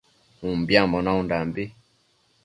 Umbiambo naundambi